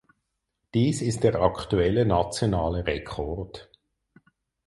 Dies ist der aktuelle nationale Rekord.